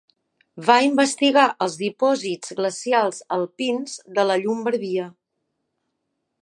Va investigar els dipòsits glacials alpins de la Llombardia.